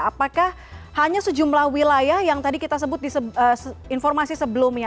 apakah hanya sejumlah wilayah yang tadi kita sebut di informasi sebelumnya